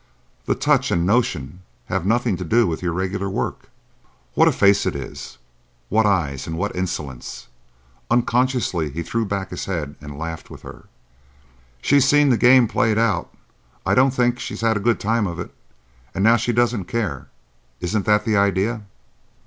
"The touch and notion have nothing to do with your regular work. What a face it is! What eyes, and what insolence!" Unconsciously he threw back his head and laughed with her. "She's seen the game played out,—I don't think she had a good time of it,—and now she doesn't care. Isn't that the idea?"